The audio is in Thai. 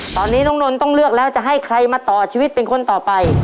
ตอนนี้น้องนนท์ต้องเลือกแล้วจะให้ใครมาต่อชีวิตเป็นคนต่อไป